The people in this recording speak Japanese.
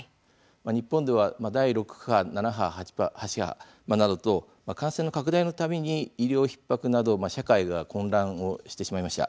日本では第６波、７波、８波と感染拡大の度に医療ひっ迫など社会が混乱してしまいました。